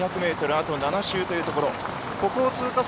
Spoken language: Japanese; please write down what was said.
あと７周というところです。